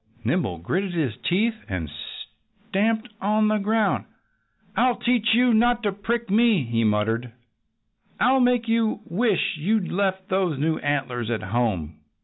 Nimble gritted his teeth and stamped upon the ground. "I'll teach you not to prick me!" he muttered. "I'll make you wish you'd left those new antlers at home!"